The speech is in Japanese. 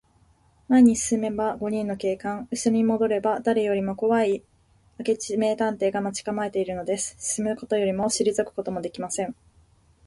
前に進めば五人の警官、うしろにもどれば、だれよりもこわい明智名探偵が待ちかまえているのです。進むこともしりぞくこともできません。